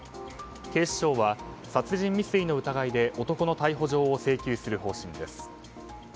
警視庁は殺人未遂の疑いで男の逮捕状を請求する方針です。